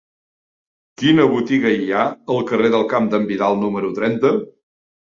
Quina botiga hi ha al carrer del Camp d'en Vidal número trenta?